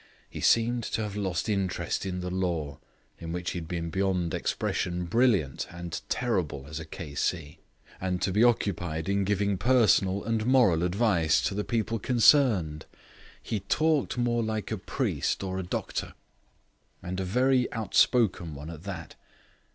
He seemed to have lost interest in the law, in which he had been beyond expression brilliant and terrible as a K.C., and to be occupied in giving personal and moral advice to the people concerned. He talked more like a priest or a doctor, and a very outspoken one at that.